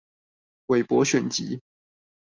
韋伯選集